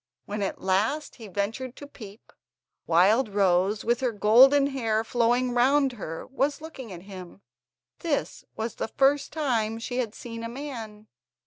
When at last he ventured to peep, Wildrose, with her golden hair flowing round her, was looking at him. This was the first time she had seen a man.